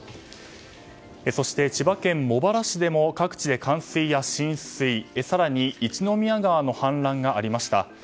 そして、千葉県茂原市でも各地で冠水や浸水更に、一宮川の氾濫がありました。